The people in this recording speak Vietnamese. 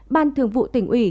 ban thường vụ tỉnh ủy